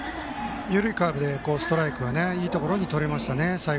緩いカーブでストライクがいいところでとれましたね。